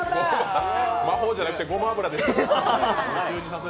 魔法じゃなくてごま油です。